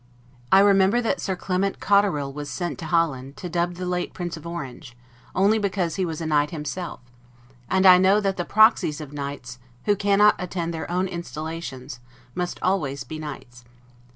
I remember that Sir Clement Cotterel was sent to Holland, to dub the late Prince of Orange, only because he was a knight himself; and I know that the proxies of knights, who cannot attend their own installations, must always be knights.